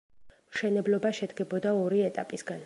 მშენებლობა შედგებოდა ორი ეტაპისგან.